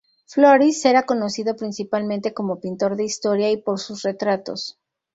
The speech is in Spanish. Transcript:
Floris era conocido principalmente como pintor de historia y por sus retratos.